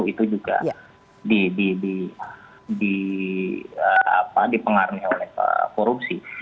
itu juga dipengaruhi oleh korupsi